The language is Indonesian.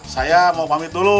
saya mau pamit dulu